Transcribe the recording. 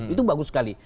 itu bagus sekali